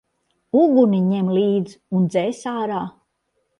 Uguni ņem līdz un dzēs ārā!